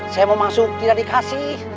saya mau masuk tidak dikasih